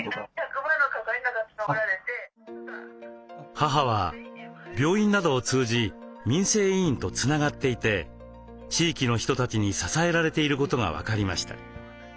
母は病院などを通じ民生委員とつながっていて地域の人たちに支えられていることが分かりました。